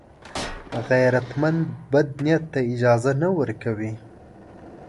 غیرتمند بد نیت ته اجازه نه ورکوي